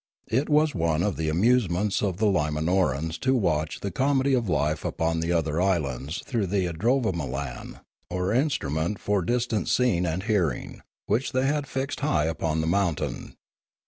It was one of the amusements of the L,imanorans to watch the comedy of life upon the other islands through the idrovamolan, or instrument for distance seeing and hearing, which they had fixed high up the mountain.